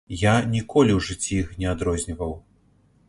Я ніколі ў жыцці іх не адрозніваў.